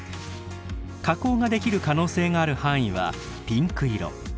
火口ができる可能性がある範囲はピンク色。